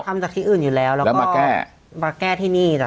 ทำจากที่อื่นอยู่แล้วแล้วก็มาแก้มาแก้ที่นี่จ้